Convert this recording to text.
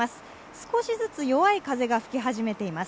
少しずつ弱い風が吹き始めています。